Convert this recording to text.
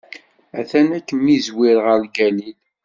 A-t-an ad ken-izwir ɣer Galil.